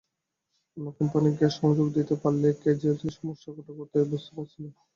অন্য কোম্পানিগুলো গ্যাস-সংযোগ দিতে পারলে কেজিডিসিএলের সমস্যাটা কোথায় বুঝতে পারছি না।